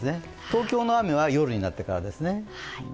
東京の雨は夜になってからですね。